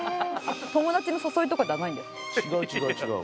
友達の誘いとかではないんですか？